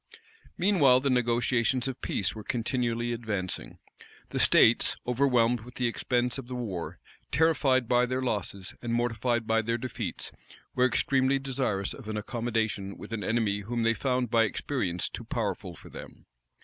Meanwhile the negotiations of peace were continually advancing. The states, overwhelmed with the expense of the war, terrified by their losses, and mortified by their defeats, were extremely desirous of an accommodation with an enemy whom they found by experience too powerful for them.